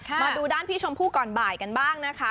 มาดูด้านพี่ชมพู่ก่อนบ่ายกันบ้างนะคะ